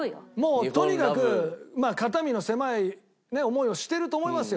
もうとにかく肩身の狭い思いをしてると思いますよ